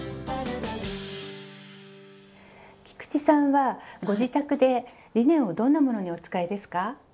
菊池さんはご自宅でリネンをどんなものにお使いですか？